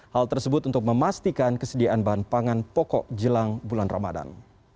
hal tersebut untuk memastikan kesediaan bahan pangan pokok jelang bulan ramadan